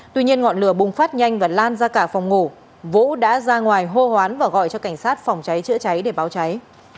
tuy nhiên ngọn lửa bùng phát nhanh và lan ra cả phòng ngủ vũ đã ra ngoài hô hoán và gọi cho cảnh sát phòng cháy chữa cháy để báo cháy